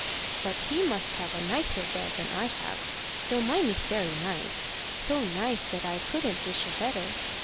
"But he must have a nicer bed than I have, though mine is very nice so nice that I couldn't wish a better."